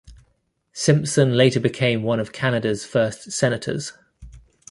Simpson later became one of Canada's first senators.